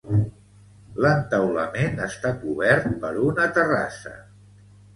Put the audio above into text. L'entaulament està cobert per una terrassa.